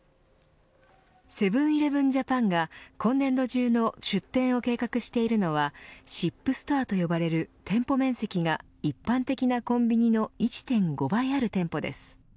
セブン‐イレブン・ジャパンが今年度中の出店を計画しているのがＳＩＰストアと呼ばれる店舗面積が一般的なコンビニの１．５倍ある店舗です。